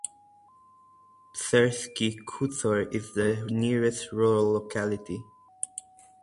Psursky Khutor is the nearest rural locality.